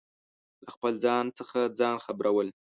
له خپل ځان څخه ځان خبرو ل